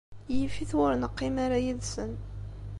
Yif-it win ur neqqim ara yid-sen.